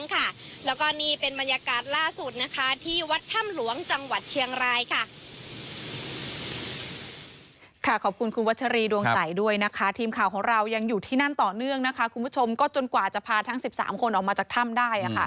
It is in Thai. ขอบคุณคุณวัชรีดวงใสด้วยนะคะทีมข่าวของเรายังอยู่ที่นั่นต่อเนื่องนะคะคุณผู้ชมก็จนกว่าจะพาทั้ง๑๓คนออกมาจากถ้ำได้